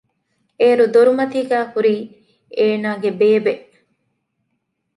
އޭރު ދޮރުމަތީގައި ހުރީ އޭނަގެ ބޭބޭ